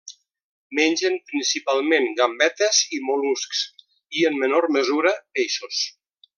Mengen principalment gambetes i mol·luscs i, en menor mesura, peixos.